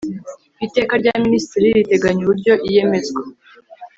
iteka rya minisitiri riteganya uburyo iyemezwa